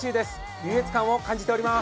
優越感を感じております。